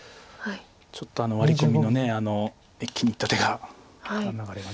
ちょっとあのワリコミの一気にいった手が流れが。